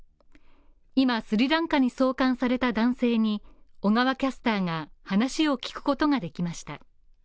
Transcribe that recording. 今スリランカに送還された男性に、小川キャスターが話を聞くことができました。